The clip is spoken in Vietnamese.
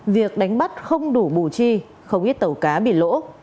việc đánh bắt không đủ bù chi không ít tàu cá bị lỗ